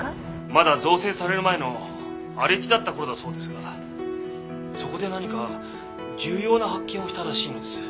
まだ造成される前の荒れ地だった頃だそうですがそこで何か重要な発見をしたらしいのです。